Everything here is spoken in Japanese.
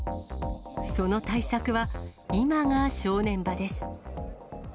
その対策は今が正念場です。